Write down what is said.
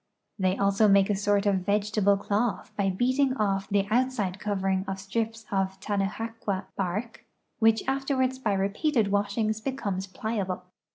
They also make a sort of vegetable cloth by beating otf the out side covering of strips of Tanajaqua bark, which afterwards by repeated washings becomes pliable.